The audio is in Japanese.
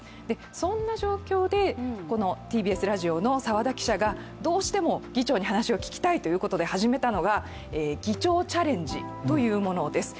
そんな状況でこのＴＢＳラジオの澤田記者がどうしても議長に話を聞きたいということで始めたのが議長チャレンジというものです。